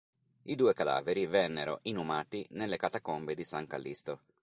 I due cadaveri vennero inumati nelle catacombe di San Callisto.